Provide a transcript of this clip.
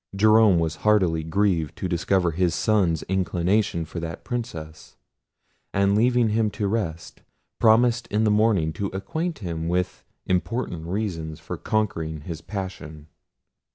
Jerome was heartily grieved to discover his son's inclination for that princess; and leaving him to his rest, promised in the morning to acquaint him with important reasons for conquering his passion.